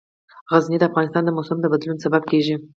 غزني د افغانستان د موسم د بدلون سبب کېږي.